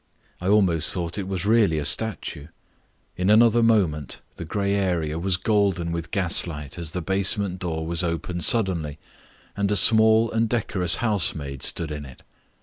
I almost thought it was really a statue. In another moment the grey area was golden with gaslight as the basement door was opened suddenly and a small and decorous housemaid stood in it.